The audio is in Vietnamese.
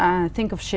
ở hà nội